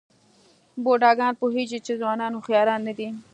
بوډاګان پوهېږي چې ځوانان هوښیاران نه دي.